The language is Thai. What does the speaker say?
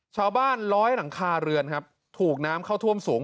ร้อยหลังคาเรือนครับถูกน้ำเข้าท่วมสูง